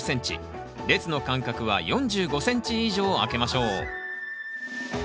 列の間隔は４５ｃｍ以上空けましょう。